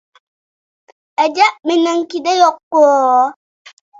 ئەجەب مېنىڭكىدە يوققۇ؟